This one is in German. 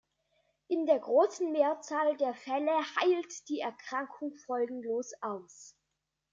In der großen Mehrzahl der Fälle heilt die Erkrankung folgenlos aus.